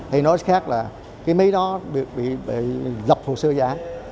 hay nói khác là cái máy đó bị lập hồ sơ giả